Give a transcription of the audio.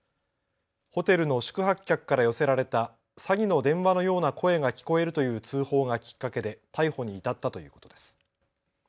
ホテルの宿泊客から寄せられた詐欺の電話のような声が聞こえるという通報がきっかけで逮捕に至ったということです。